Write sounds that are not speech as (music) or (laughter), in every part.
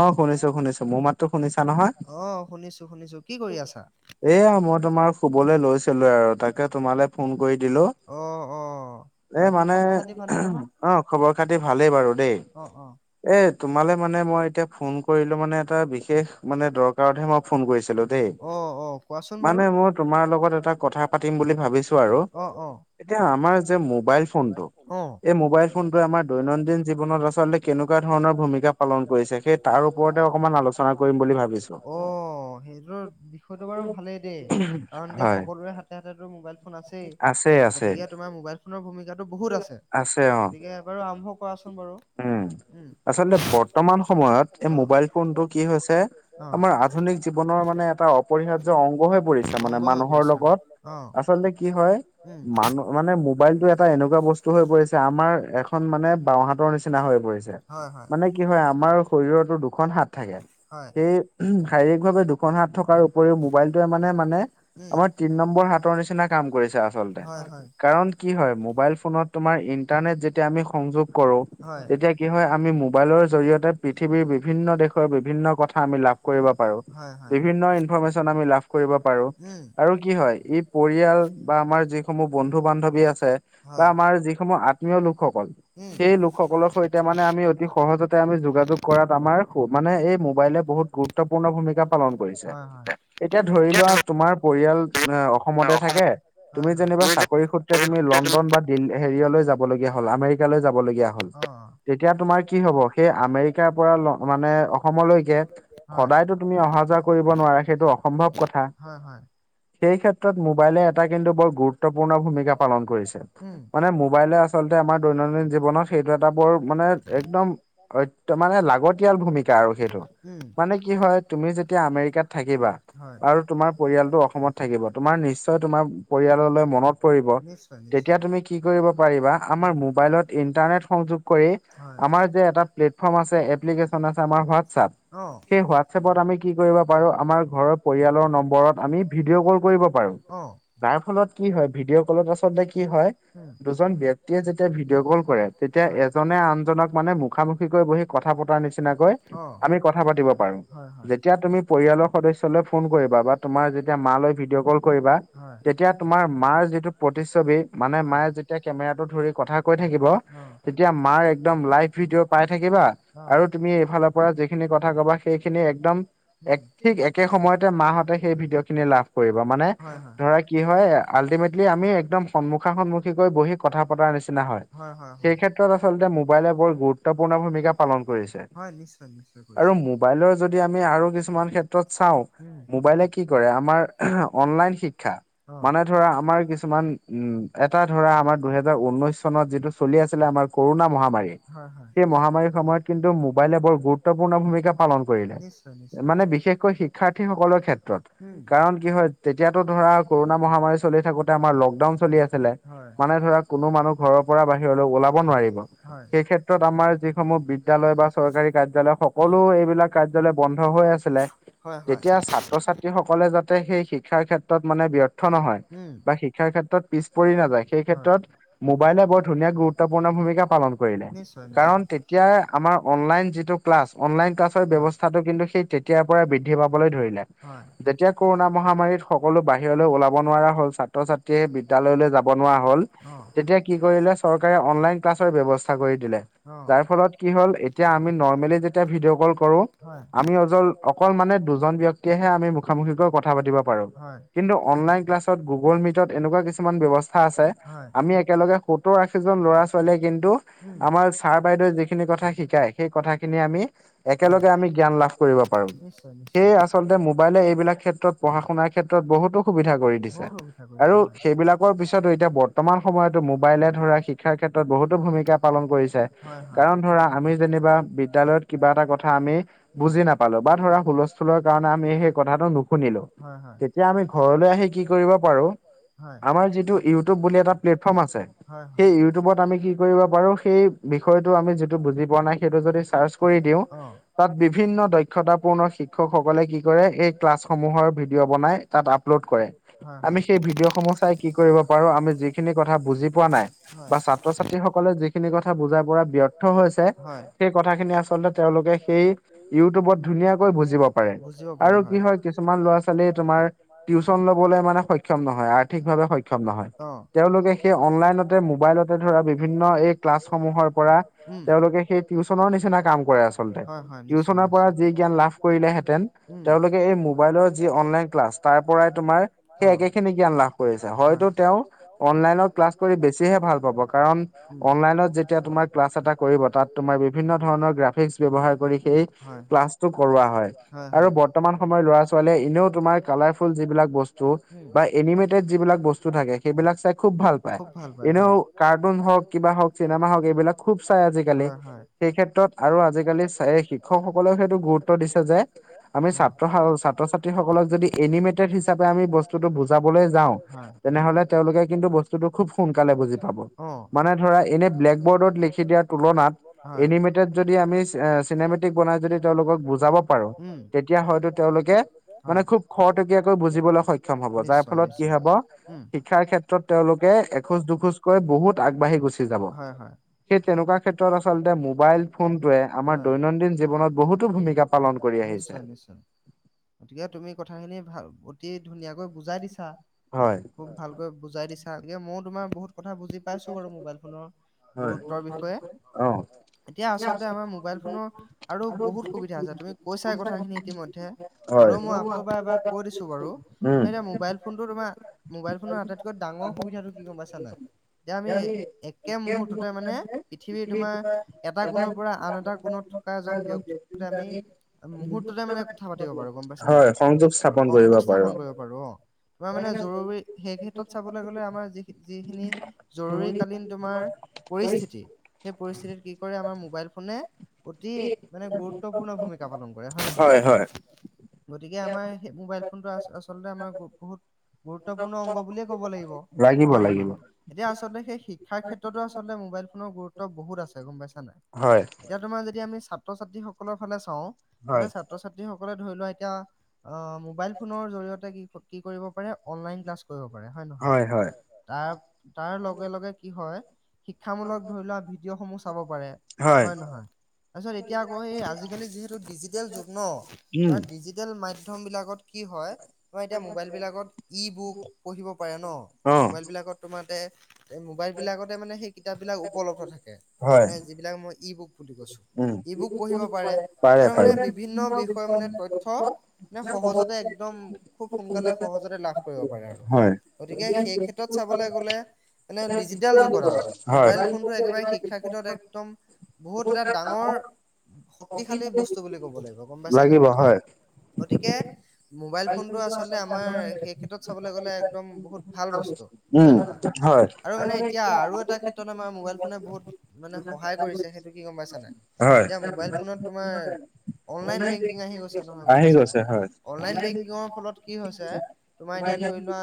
অ শুনিছো শুনিছো, মোৰ মাত টো শুনিছা নহয়? শুনিছো শুনিছো, কি কৰি আছা? এয়া মই তোমাৰ শুবলৈ লৈছিলো আৰু তাকে তোমালৈ ফোন কৰি দিলো। অঁ অঁ। এ মানে, অ খবৰ খাতি ভালেই বাৰু দেই। অঁ অঁ। এ তোমালে মানে মই এতিয়া ফোন কৰিলো, মানে এটা বিশেষ মানে দৰকাৰতহে মই ফোন কৰিছিলো দেই। মানে মই তোমাৰ লগত এটা কথা পাতিম বুলি ভাবিছো আৰু। এতিয়া আমাৰ যে মোবাইল ফোন টো, এই মোবাইল ফোনটোৱে আমাৰ দৈনন্দিন জীৱনত আচলতে, কেনেকুৱা ধৰণৰ ভূমিকা পালন কৰিছে, সেই তাৰ ওপৰতে অকনমান আলোচনা কৰিম বুলি ভাবিছো। অ' সেইটো বিষয়টো বাৰু ভালেই দেই কাৰণ এতিয়া সকলোৰে হাতে হাতেটো মোবাইল আছে। গতিকে তোমাৰ মোবাইল ফোনৰ ভূমিকাটো বহুত আছে। গতিকে বাৰু আৰম্ভ কৰাচোন বাৰু। উম। আচলতে বৰ্তমান সময়ত, এই মোবাইল ফোনটো কি হৈছে আমাৰ আধুনিক জীৱনৰ মানে এটা অপৰিহাৰ্য অংগ হৈ পৰিছে মানে মানুহৰ লগত আচলতে কি হয় উম। মানে মোবাইলটো, এটা এনেকুৱা বস্তু হৈ পৰিছে। আমাৰ এখন মানে বাওঁহাতৰ নিচিনা হৈ পৰিছে। মানে কি হয়। আমাৰ শৰীৰটো দুখন হাত থাকে। সেই শাৰীৰিক ভাৱে, দুখন হাত থকাৰ উপৰিও মোবাইলটোৱে মানে মানে। আমাৰ তিন নম্বৰ হাতৰ নিচিনা কাম কৰিছে, আচলতে। কাৰণ কি হয়, মোবাইল ফোনত তোমাৰ ইন্টাৰনেট যেতিয়া আমি সংযোগ কৰো। কি হয় আমি মোবাইলৰ জৰিয়তে পৃথিৱীৰ বিভিন্ন দেশৰ, বিভিন্ন কথা, আমি লাভ কৰিব পাৰো। বিভিন্ন ইনফৰমেশ্যন আমি লাভ কৰিব পাৰো। আৰু কি হয়, ই পৰিয়াল বা আমাৰ যিসমূহ বন্ধু বান্ধৱী আছে বা আমাৰ যিসমূহ আত্মীয় লোকসকল সেই লোকসকলৰ সৈতে মানে আমি অতি সহজতে আমি যোগাযোগ কৰাত আমাৰ মানে, এই মোবাইলে বহুত গুৰুত্ব গুৰুত্বপূৰ্ণ ভূমিকা পালন কৰিছে। হয়, হয়। এতিয়া ধৰি লোৱা তোমাৰ পৰিয়াল অসমতে থাকে। তুমি যেনিবা চাকৰি সূত্ৰে তুমি লণ্ডন বা দিল্ল হেৰিয়ালৈ যাব লগীয়া হ'ল। আমৰিকালৈ যাবলগীয়া হ'ল। তেতিয়া, তোমাৰ কি হ'ব। সেই আমেৰিকাৰ পৰা মানে অসমলৈকে। সদায়তো তুমি অহা যোৱা কৰিব নোৱাৰা সেইটো অসম্ভৱ কথা। হয়, হয়। সেই ক্ষেত্ৰত মোবাইলে এটা কিন্তু বৰ গুৰুত্বপূৰ্ণ ভূমিকা পালন কৰিছে। মানে মোবাইলে, আচলতে আমাৰ দৈনন্দিন জীৱনত সেইটো, এটা বৰ মানে একদম অত মানে লাগতিয়াল ভূমিকা আৰু সেইটো। মানে কি হয় তুমি যেতিয়া আমেৰিকাত থাকিবা। আৰু তোমাৰ পৰিয়ালটো অসমত থাকিব। তোমাৰ নিশ্চয় তোমাৰ পৰিয়াললৈ মনত পৰিব। তেতিয়া তুমি কি কৰিব পাৰিবা। আমাৰ মোবাইলত ইন্টাৰনেট সংযোগ কৰি আমাৰ যে এটা প্লেটফৰ্ম আছে, এপ্লিকেচন আছে, আমাৰ হোৱাটছএপ। সেই হোৱাটছএপত আমি কি কৰিব পাৰো। আমাৰ ঘৰৰ পৰিয়ালৰ নম্বৰত আমি ভিডিঅ' কল কৰিব পাৰো। অ'। যাৰ ফলত কি হয় ভিডিঅ' কলত আচলতে কি হয় দুজন ব্যক্তিয়ে যেতিয়া ভিডিঅ' কল কৰে তেতিয়া, এজনে আনজনক মানে মুখামুখিকৈ বহি কথা পতাৰ নিচিনাকৈ। আমি কথা পাতিব পাৰো। যেতিয়া তুমি পৰিয়ালৰ সদস্যলৈ ফোন কৰিবা বা তোমাৰ যেতিয়া মালৈ ভিডিঅ' কল কৰিবা। তেতিয়া তোমাৰ মাৰ যিটো প্ৰতিচ্ছবি মানে, মায়ে যেতিয়া কেমেৰাটো ধৰি কথা কৈ থাকিব। অ'। তেতিয়া মাৰ একদম লাইভ ভিডিঅ' পাই থাকিবা। আৰু তুমি এইফালৰ পৰা যিখিনি কথা কবা সেইখিনি একদম এক ঠিক একে সময়তে মাহঁতে সেই ভিডিঅ' খিনি লাভ কৰিব মানে ধৰা কি হয় আল্টিমেটলি আমি একদম সন্মুখা সন্মুখীকৈ বহি কথা পতাৰ নিচিনা হয়। সেই ক্ষেত্ৰত আচলতে মোবাইলে বৰ গুৰুত্বপূৰ্ণ ভূমিকা পালন কৰিছে। হয় নিশ্চয়, নিশ্চয়। আৰু মোবাইলৰ যদি আমি আৰু কিছুমান ক্ষেত্ৰত চাওঁ। মোবাইলে কি কৰে, আমাৰ অনলাইন শিক্ষা মানে ধৰা আমাৰ কিছুমান উম, এটা ধৰা আমাৰ দুহেজাৰ ঊনৈশ চনত যিটো। চলি আছিলে আমাৰ কৰোণা মহামাৰী সেই মহামাৰীৰ সময়ত কিন্তু মোবাইলে বৰ গুৰুত্বপূৰ্ণ ভূমিকা পালন কৰিলে। মানে বিশেষকৈ শিক্ষাৰ্থী সকলৰ ক্ষেত্ৰত কাৰণ কি হয়। তেতিয়াতো ধৰা কৰোণা মহামাৰী চলি থাকোঁতে আমাৰ লকডাউন চলি আছে আছিলে মানে ধৰা কোনো মানুহ ঘৰৰ পৰা বাহিৰ ধৰি লওক ওলাব নোৱাৰিব সেই ক্ষেত্ৰত আমাৰ যিসমূহ বিদ্যালয় বা চৰকাৰী কাৰ্যালয় সক সকলো এইবিলাক কাৰ্যালয় বন্ধ হৈ আছিলে তেতিয়া ছাত্ৰ ছাত্ৰী সকলে যাতে সেই শিক্ষাৰ ক্ষেত্ৰত ক্ষেত্ৰত ব্যৰ্থ নহয় বা শিক্ষাৰ ক্ষেত্ৰত পিছ পৰি নাযায় সেই ক্ষেত্ৰত মোবাইলে বৰ গুৰুত্বপূৰ্ণ ভূমিকা পালন কৰিলে। কাৰণ তেতিয়া আমাৰ অনলাইন যিটো ক্লাছ অনলাইন ক্লাছৰ ব্যৱস্থাটো কিন্তু সেই তেতি তেতিয়াৰ পৰা বৃদ্ধি পাবলৈ ধৰিলে হয়। যেতিয়া কৰোণা মহামাৰীত সকলো বাহিৰলৈ ওলাব নোৱাৰা হ'ল ছা ছাত্ৰ-ছাত্ৰীয়ে বিদ্যালয়লৈ যাব নোৱাৰা হ'ল তেতিয়া কি কৰিলে অনলাইন ক্লাছৰ ব্যৱস্থা কৰি দিলে যাতে যাৰ ফলত কি হল এতিয়া আমি নৰ্মেলি যেতিয়া ভিডিঅ কল কৰো আমি অজল অকল মানে দুজন ব্যক্তিয়েহে আমি মুখামুখিকৈ কথা পাতিব পাৰো কিন্তু অনলাইন ক্লাছত গুগল মিটত এনেকুৱা কিছুমান ব্যৱস্থা আছে আমি একেলগে সত্তৰ আশীজন ল'ৰা ছোৱালীয়ে কিন্তু আমাৰ ছাৰ বাইদেৱে যিখিনি কথা শিকায় সেই কথাখিনি আমি একেলগে আমি জ্ঞান লাভ কৰিব পাৰো। সেয়ে আচলতে মোবাইলে এইবিলাক ক্ষেত্ৰত পঢ়া শুনাৰ ক্ষেত্ৰত বহুতো সুবিধা কৰি দিছে। আৰু সেইবিলাকৰ পিছতো এতিয়া বৰ্তমান সময়তো মো মোবাইলে ধৰা শিক্ষাৰ ক্ষেত্ৰত বহুতো ভূমিকা পালন কৰিছে। কাৰণ ধৰা আমি যেনিবা বিদ্যালয়ত কিবা এটা কথা আমি বুজি নাপালো বা ধৰা হুলস্থুলৰ কাৰণে আমি সেই কথাটো নুশুনিলো তেতিয়া আমি ঘৰলৈ আহি কি কৰিব পাৰো আমাৰ যিটো ইউটিউব বুলি এটা প্লেটফৰ্ম আছে সেই ইউটিউবত আমি কি কৰিব পাৰো সেই বিষয়টো আমি যিটো বুজি পোৱা নাই সেইটো যদি চাৰ্চ কৰি দিওঁ তাত বিভিন্ন দক্ষতা পূৰ্ণ শিক্ষক সকলে কি কৰে এই ক্লাছ সমূহৰ ভিডিঅ বনাই তাত আপলোড কৰে আমি সেই ভিডিঅ সমূহ চাই কি কৰিব পাৰো আমি যিখিনি কথা বুজি পোৱা নাই বা ছাত্ৰ ছাত্ৰীসকলে যিখিনি কথা বুজাৰ পৰা ব্যৰ্থ হৈছে সেই কথাখিনি আচ আচলতে তেওঁলোকে সেই ইউটিউবত ধুনীয়াকৈ বুজিব পাৰে আৰু কি হয় কিছুমান ল'ৰা ছোৱালী তোমাৰ টিউচন লবলৈ মানে সক্ষম নহয় আৰ্থিকভাৱে সক্ষম নহয় তেওঁলোকে সেই কিন্তু অনলাইন মোবাইলতে ধৰা বিভিন্ন এই কাম সমূহৰ পৰা উম বিদ্যালয় হয় হয় নিশ্চয় নিশ্চয়। তেওঁলোকে এই মোবাইলৰ যি অনলাইন ক্লাছ তাৰ পৰাই তোমাৰ সেই একে খিনি জ্ঞান লাভ কৰিছে হয়তো তেওঁ অনলাইনত ক্লাছ কৰি বেছি হে ভাল পাব কাৰণ অনলাইনত যেতিয়া তোমাৰ ক্লাছ এটা কৰিব তাত তোমাৰ বিভিন্ন ধৰণৰ গ্ৰাফিক্স ফ্ৰিচ ব্যৱহাৰ কৰি সেই ক্লাছটো কৰোৱা হয় আৰু বৰ বৰ্তমান সময়ত ল'ৰা ছোৱালীয়ে এনেও তোমাৰ কালাৰফুল যিবিলাক বস্তু বা এনিমেটেড যিবিলাক বস্তু থাকে সেইবিলাক চাই খুব ভাল খুব ভাল পায় হয়, হয় হয়। সেই ক্ষেত্ৰত আৰু আজিকালি শিক্ষকসকলেও সেইটো গুৰুত্ব দিছে যে আমি ছাত্ৰ, ছাত্ৰ ছাত্ৰীসকলক যদি এনিমেটেড হিচাপে আমি বছ বস্তুটো বুজাবলৈ যাওঁ তেনেহ'লে তেওঁলোকে কিন্তু বছ বস্তুটো খুব সোনকালে বুজি পাব, মানে ধৰা এনে ব্লেক বৰ্ডত লিখি দিয়াৰ তুলনাত এনিমেটেড যদি আমি চিনেমেটিক বনাই যদি তেওঁলোকক বুজাব পাৰোঁ তেতিয়া হয়তো তেওঁলোকে মানে খুব খৰতকীয়াকৈ বুজিবলৈ সক্ষম হ'ব যাৰ ফলত কি হ'ব শিক্ষাৰ ক্ষেত্ৰত তেওঁলোকে এখোজ দুখোজকৈ বহুত আগবাঢ়ি গুচি যাব, সেই তেনেকুৱা ক্ষেত্ৰত আচলতে মোবাইল ফোনটোৱে আমাৰ দৈনন্দিন জীৱনত বহুতো ভূমিকা পালন কৰি আহিছে। (inaudible) গতিকে তুমি কথাখিনি ভাল অতি ধুনীয়াকৈ বুজাই দিছা, খুব ভাল বুজাই দিছা গতিকে ময়ো তোমাৰ বহুত কথা বুজি পাইছোঁ বাৰু মোবাইল ফোনৰ গুৰুত্বৰ বিষয়ে। এতিয়া আচলতে আমাৰ মোবাইল ফোনৰ আৰু বহুত সুবিধা আছে, তুমি কৈছাই কথাখিনি ইতিমধ্যে। হ'লেও মই আকৌ এবাৰ এবাৰ কৈ দিছোঁ বাৰু, নহয় এতিয়া মোবাইল ফোনটো তোমাৰ মোবাইল ফোনৰ আটাইতকৈ ডাঙৰ সুবিধাটো কি গম পাইছা নাই? এতিয়া আমি একে মুহূৰ্ততে মানে পৃথিৱীৰ তোমাৰ এটা কোণৰ পৰা আন এটা কোণত থকা এজন ব্যক্তি সৈতে আমি মুহূৰ্ততে মানে কথা পাতিব পাৰোঁ গম পাইছা নাই, সংযোগ স্থাপন কৰিব পাৰোঁ অ'। তোমাৰ মানে জৰুৰী, সেই ক্ষেত্ৰত চাবলৈ গ'লে আমাৰ যি-যিখিনি জৰুৰীকালীন তোমাৰ পৰিস্থিতি সেই পৰিস্থিতিত কি কৰে আমাৰ মোবাইল ফোনে অতি মানে গুৰুত্বপূৰ্ণ ভূমিকা পালন কৰে হয় নহয়, গতিকে আমাৰ সেই মোবাইল ফোনটো আ-আচলতে আমাৰ বহুত গুৰুত্বপূৰ্ণ অংগ বুলিয়ে ক'ব লাগিব হয় নহয়? এতিয়া আচলতে সেই শিক্ষাৰ ক্ষেত্ৰতো আচলতে মোবাইল ফোনৰ গুৰুত্ব বহুত আছে গম পাইছা নাই। হয়। এতিয়া তোমাৰ যদি আমি ছাত্ৰ ছাত্ৰীসকলৰ ফালে চাওঁ তেলে ছাত্ৰ ছাত্ৰীসকলে ধৰি লোৱা এতিয়া আ, মোবাইল ফোনৰ জৰিয়তে কি, কি কৰিব পাৰে অনলাইন ক্লাছ কৰিব পাৰে হয় নহয়? তাৰ তাৰ লগে লগে কি হয় শিক্ষামূলক ধৰি লোৱা ভিডিঅ'সমূহ চাব পাৰে হয় নহয়? তাৰপিছত এতিয়া আকৌ এই আজিকালি যিহেতু ডিজিটেল যুগ ন' ডি জি টেল মাধ্যমবিলাকত কি হয় তোমাৰ এতিয়া মোবাইলবিলাকত ই বুক পঢ়িব পাৰে ন' মোবাইলবিলাকত তোমাৰতে এই মোবাইলবিলাকতে মানে সেই কিতাপবিলাক উপলব্ধ থাকে, মানে যিবিলাক মই ই বুক বুলি ই বুক পঢ়িব পাৰে আৰু মানে বিভিন্ন বিষয় মানে তথ্য নে সহজতে একদম খুব সোনকালে সহজতে লাভ কৰিব পাৰে আৰু গতিকে সেই ক্ষেত্ৰত চাবলৈ গ'লে মানে ডিজিটেল যুগত আৰু, মোবাইল ফোনটো একেবাৰে শিক্ষাৰ ক্ষেত্ৰত একদম বহুত এটা ডাঙৰ শক্তিশালী বস্তু বুলি ক'ব লাগিব গম পাইছা নাই। গতিকে মোবাইল ফোনটো আচলতে আমাৰ সেই ক্ষেত্ৰত চাবলৈ গ'লে একদম বহুত ভাল বস্তু হয় নহয়? আৰু মানে এতিয়া আৰু এটা ক্ষেত্ৰত আমাৰ মোবাইল ফোনে বহুত মানে সহায় কৰিছে সেইটো কি গম পা পাইছা নাই, এতিয়া মোবাইল ফোনত তোমাৰ অনলাইন বেংকিং আহি হৈছে নহয় গম পাইছা নাই, অনলাইন বেংকিৰ ফলত কি হৈছে তোমাৰ এতিয়া ধৰি লোৱা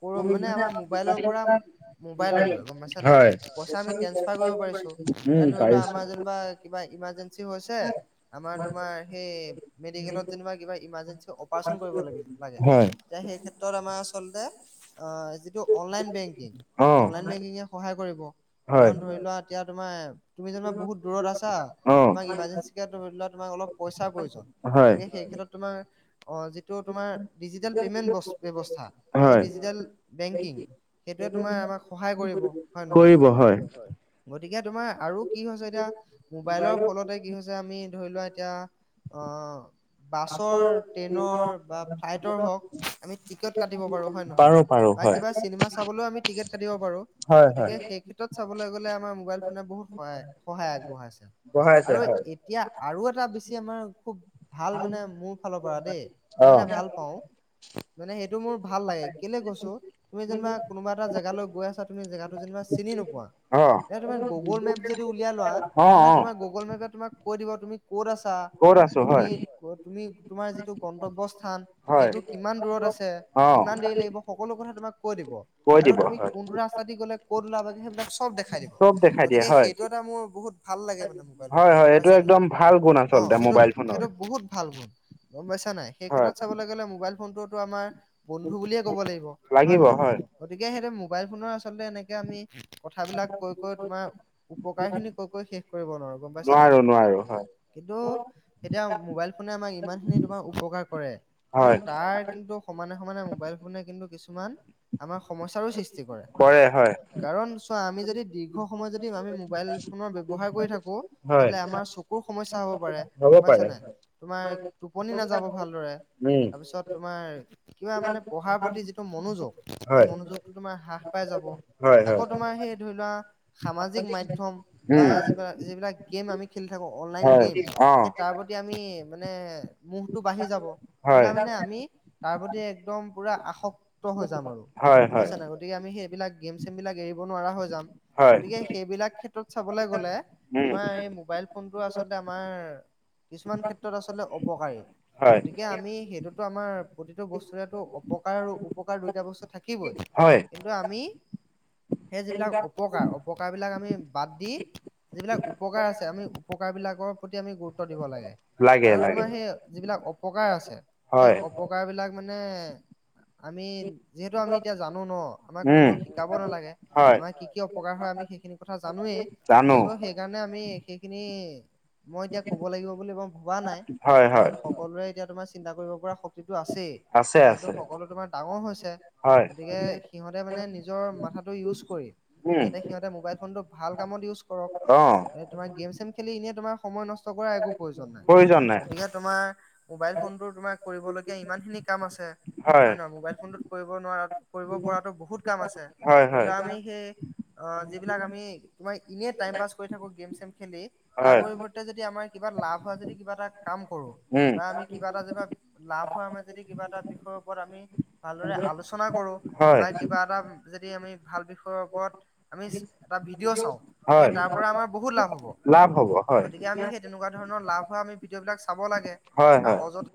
কৰ মানে আমাৰ মোবাইলৰ পৰা মোবাইল লৈ লৈ গম পাইছা নাই? পইচা আমি ট্ৰেন্সফাৰ কৰিব পাৰিছো। এতিয়া ধৰি লোৱা আমাৰ যেনিবা কিবা ইমাৰজেঞ্চি হৈছে আমাৰ তোমাৰ সেই মেডিকেলত যেনিবা কিবা ইমাৰজেঞ্চি অপাৰেচন কৰিব লাগে লাগে। এতিয়া সেই ক্ষেত্ৰত আমাৰ আচলতে অ যিটো অনলাইন বেংক অনলাইন বেংকিংয়ে সহায় কৰিব। কাৰণ ধৰি লোৱা এতিয়া তোমাৰ তুমি যেনিবা বহুত দূৰত আছা তোমাক ইমাৰজেঞ্চিকে ধৰি লোৱা তোমাক অলপ পইচাৰ প্ৰয়োজন। গতিকে সেই ক্ষেত্ৰত তোমাৰ অ যিটো তোমাৰ ডিজিটেল পেমেণ্ট বস্ ব্যৱস্থা, সেই ডিজিটেল বেংকিং সেইটোয়ে তোমাৰ আমাক সহায় কৰিব, হয় নহয়? গতিকে তোমাৰ আৰু কি হৈছে এতিয়া মোবাইলৰ ফলত কি হৈছে আমি ধৰি লোৱা এতিয়া অ বাছৰ, ট্ৰেইনৰ বা ফ্লাইটৰ হওক আমি টিকট কাটিব পাৰোঁ, হয় নহয়? বা কিবা চিনেমা চাবলৈও আমি টিকট কাটিব পাৰো। গতিকে সেই ক্ষেত্ৰত চাবলৈ গলে আমাৰ মোবাইল ফোনে বহুত সহায় সহায় আগবঢ়াইছে। বঢ়াইছে হয়। এতিয়া আৰু এটা বেছি আমাৰ খুব ভাল মানে মোৰ ফালৰ পৰা দেই মই মানে ভাল পাও। মানে সেইটো মোৰ ভাল লাগে কেলে কৈছো তুমি যেনিবা কোনোবা এটা জেগালৈ গৈ আছা তুমি জেগাতো যেনিবা চিনি নোপোৱা তেতিয়া তোমাৰ গ'গুল মেপ যদি উলিয়াই লোৱা, তেনেহলে তোমাৰ গ'গুল মেপে তোমাক কৈ দিব তুমি ক'ত আছা? তুমি তুমি তোমাৰ যিটো গন্তব্যস্থান সেইটো কিমান দূৰত আছে? কিমান দেৰি লাগিব? সকলো কথা তোমাক কৈ দিব। আৰু তুমি কোনটো ৰাস্তা দি গ'লে ক'ত ওলাবাগে সেইবিলাক চব দেখাই দিব। গতিকে সেইটো এটা মোৰ বহুত ভাল লাগে মানে মোবাইল ফোনৰ গম পাইছা নাই? অ সেইটো সেইটো বহুত ভাল গুণ। গম পাইছা নাই? সেই ক্ষেত্ৰত চাবলৈ গলে মোবাইল ফোনটোতো আমাৰ বন্ধু বুলিয়ে ক'ব লাগিব, হয় নহয়? গতিকে সেহতে মোবাইল ফোনৰ আচলতে এনেকে আমি কথাবিলাক কৈ কৈ তোমাৰ উপকাৰ খিনি কৈ কৈ শেষ কৰিব নোৱাৰো, গম পাইছা নাই? কিন্তু এতিয়া মোবাইল ফোনে আমাক ইমান খিনি তোমাৰ উপকাৰ কৰে। কিন্তু তাৰ কিন্তু সমানে সমানে মোবাইল ফোনে কিন্তু কিছুমান আমাৰ সমস্যাৰো সৃষ্টি কৰে। কাৰণ চোৱা আমি যদি দীৰ্ঘ সময় যদি আমি মোবাইল ফোনৰ ব্যৱহাৰ কৰি থাকো হলে আমাৰ চকুৰ সমস্যা হব পাৰে, গম পাইছা নাই? তোমাৰ টোপনি নাযাব ভালদৰে। তাৰপিছত তোমাৰ কিবা মানে পঢ়াৰ প্ৰতি যি টো মনোযোগ সেই মনোযোগটো তোমাৰ হ্ৰাস পাই যাব। আকৌ তোমাৰ সেই ধৰি লোৱা সামাজিক মাধ্যম বা যিবিলাক যিবিলাক গেম আমি খেলি থাকো অনলাইন গেম সেই তাৰ প্ৰ তি আমি মানে মোহটো বাঢ়ি যাব। ধৰিলোৱা মানে আমি তাৰ প্ৰতি একদম পুৰা আসক্ত হৈ যাম আৰু গম পাইছা নাই? গতিকে আমি সেইবিলাক গেম চেম বিলাক এৰিব নোৱাৰা হৈ যাম। গতিকে সেইবিলাক ক্ষে ত্ৰত চাবলৈ গলে তোমাৰ এই মোবাইল ফোনটোই আচলতে আমাৰ কিছুমান ক্ষেত্ৰত আচলতে অপকাৰী। গতিকে আমি সেইটোতো আমাৰ প্ৰতিটো বস্তুৰেতো অপকাৰ আৰু উপকাৰ দুইটা বস্তু থাকিবই। কিন্তু আমি সেই যিবিলাক অপকাৰ, অপকাৰ বিলাক আমি বাদ দি যিবিলাক উপকাৰ আছে আমি উপকাৰ বিলাকৰ প্ৰতি আমি গুৰুত্ব দিব লাগে। আৰু তোমাৰ সেই যিবিলাক অপকাৰ আছে সেই অপকাৰ বিলাক মানে আমি যিহেতু আমি এতিয়া জানো ন আমাক কোনো শিকাব নালাগে আমাৰ কি কি অপকাৰ হয় আমি সেইখিনি কথা জানোৱেই চ' সেই সেইকাৰণে আমি সেইখিনি মই এতিয়া কব লাগিব বুলি মই ভবা নাই কাৰণ সকলোৰে এতিয়া তোমাৰ চিন্তা কৰিব পৰা শক্তিটো আছেই যিহেতু সকলো তোমাৰ ডাঙৰ হৈছে। গতিকে সিহঁতে মানে নিজৰ মাথাটো ইউজ কৰি যাতে সিহঁতে মোবাইল ফোনটো ভাল কামত ইউজ কৰক। তোমাৰ গেম চেম খেলি এনেই তোমাৰ সময় নষ্ট কৰাৰ একো প্ৰয়োজন নাই গতিকে তোমাৰ মোবাইল ফোনতটো তোমাৰ কৰিবলগীয়া ইমান খিনি কাম আছে হয়ে নহয় মোবাইল ফোনতটোত কৰিব নোৱাৰা কৰিব পৰাতো বহুত কাম আছে ধৰি লোৱা আমি সেই অ যিবিলাক আমি তোমাৰ এনেই টাইম পাছ কৰি থাকো গেম চেম খেলি তাৰ পৰিৱৰ্তে যদি দি আমাৰ কিবা লাভ হোৱা যদি কিবা এটা কাম কৰো বা আমি কিবা এটা যেনিবা লাভ হোৱা আমাৰ যদি কিবা এটা বিষয়ৰ ওপৰত আমি ভালদৰে আলোচনা কৰো। বা কিবা এটা যদি আমি ভাল বিষয়ৰ ওপৰত আমি এটা ভিডিঅ' চাওঁ গতিকে তাৰ পৰা আমাৰ বহুত লাভ হ'ব গতিকে আমি সেই তেনেকুৱ ধৰণৰ লাভ হোৱা আমি ভিডিঅ'বিলাক চাব লাগে। হয়, হয়।